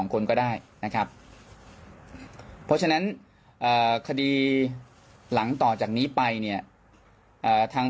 คนก็ได้นะครับเพราะฉะนั้นคดีหลังต่อจากนี้ไปเนี่ยทาง